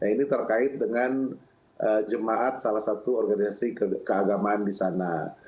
ini terkait dengan jemaat salah satu organisasi keagamaan di sana